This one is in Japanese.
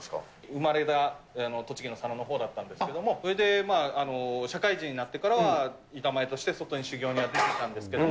生まれが栃木の佐野のほうだったんですけども、社会人になってからは板前として外に修業には出てたんですけど。